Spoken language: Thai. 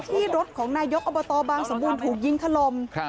ที่รถของนายกอบตบางสมบูรณ์ถูกยิงถล่ม